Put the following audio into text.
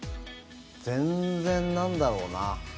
全然、なんだろうな。